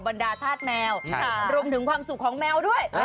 บรรดาธาตุแมวรวมถึงความสุขของแมวด้วย